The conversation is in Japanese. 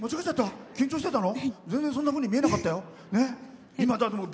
緊張してたの？